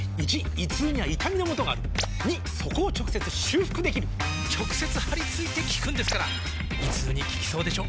①胃痛には痛みのもとがある②そこを直接修復できる直接貼り付いて効くんですから胃痛に効きそうでしょ？